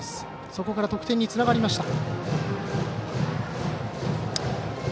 そこから得点つながりました。